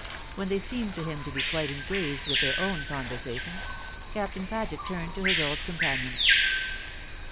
When they seemed to him to be quite engaged with their own conversation, Captain Paget turned to his old companion.